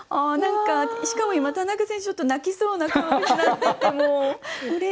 しかも今田中選手ちょっと泣きそうな顔になっててもううれしい。